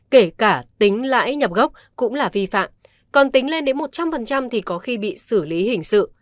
kể cả tính lãi nhập gốc cũng là vi phạm còn tính lên đến một trăm linh thì có khi bị xử lý hình sự